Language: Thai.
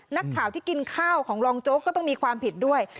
นักข่าวที่กินข้าวของรองโจ๊กก็ต้องมีความผิดด้วย